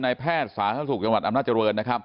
นายแพทย์สาธารณสุขจังหวัดอำนาจรวน